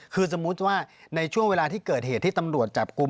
คือสมมุติว่าในช่วงเวลาที่เกิดเหตุที่ตำรวจจับกลุ่ม